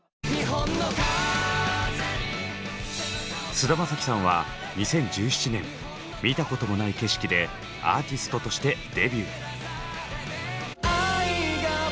菅田将暉さんは２０１７年「見たこともない景色」でアーティストとしてデビュー。